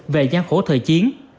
về giang khổ thời chiến